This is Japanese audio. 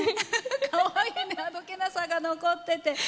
かわいい、あどけなさが残ってて。